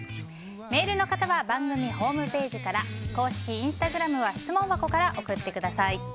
メールの方は番組ホームページから公式インスタグラムは質問箱から送ってください。